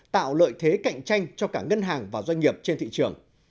tạo lợi thế cạnh tranh cho cả ngân hàng và doanh nghiệp trên thị trường